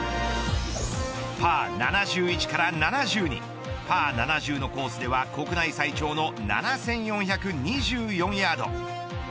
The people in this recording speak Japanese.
パー７１から７０にパー７０のコースでは国内最長の７４２４ヤード。